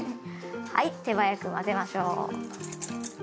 はい手早く混ぜましょう。